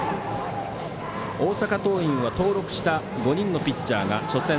大阪桐蔭は登録した５人のピッチャーが初戦、